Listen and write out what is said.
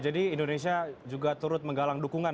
jadi indonesia juga turut menggalang dukungan